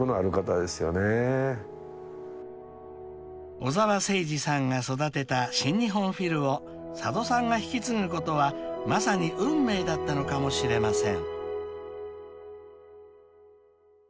［小澤征爾さんが育てた新日本フィルを佐渡さんが引き継ぐことはまさに運命だったのかもしれません］